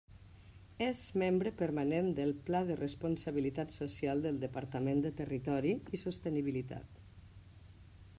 És membre permanent del Pla de responsabilitat social del Departament de Territori i Sostenibilitat.